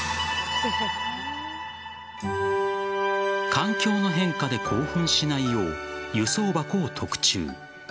環境の変化で興奮しないよう輸送箱を特注。